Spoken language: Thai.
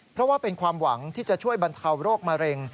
เพราะว่าเป็นความหวังที่จะช่วยบรรเทาโรคมะเร็ง